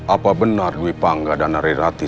apa benar dwi pangga dan nari rati